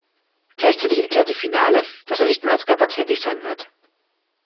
Gleichzeitig erklärte Finale, dass er nicht mehr als Rapper tätig sein wird.